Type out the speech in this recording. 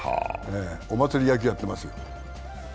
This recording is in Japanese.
お祭り野球やってます。